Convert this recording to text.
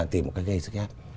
tìm một cách gây sức ép